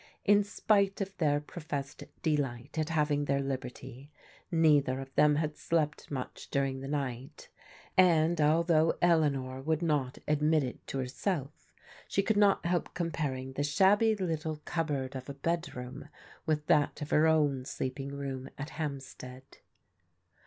In spite of their professed delight at having their liberty, neither of them had slept much during the night, and although Eleanor would not admit it to herself she could not help comparing the shabby little cupboard of a bedroom with that of her own sleeping room at Hampstead.